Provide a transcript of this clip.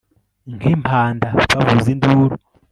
Nkimpandabavuza induru